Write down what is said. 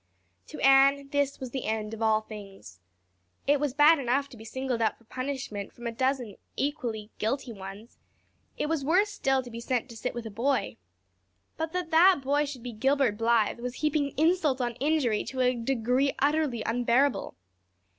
To Anne, this was as the end of all things. It was bad enough to be singled out for punishment from among a dozen equally guilty ones; it was worse still to be sent to sit with a boy, but that that boy should be Gilbert Blythe was heaping insult on injury to a degree utterly unbearable.